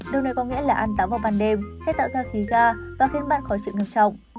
điều này có nghĩa là ăn tắm vào ban đêm sẽ tạo ra khí ga và khiến bạn khó chịu ngược trọng